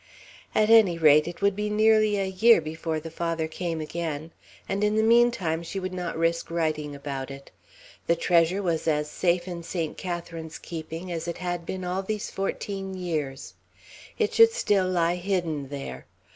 At any rate, it would be nearly a year before the Father came again, and in the mean time she would not risk writing about it. The treasure was as safe in Saint Catharine's keeping as it had been all these fourteen years; it should still lie hidden there.